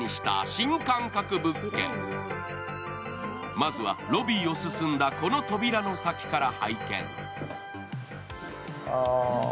まずはロビーを進んだこの扉の先から拝見。